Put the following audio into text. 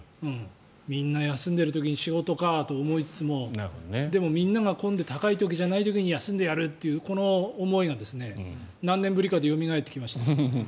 みんな休んでる時に仕事かと思いつつもでも、みんなが混んで高い時じゃない時に休んでやるというこの思いが何年ぶりかでよみがえってきました。